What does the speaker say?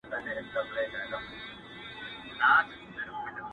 د هر قوم له داستانو څخه خبر وو!!